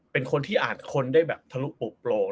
เป็นคนที่อ่านคนได้แบบทะลุปลูกปลูก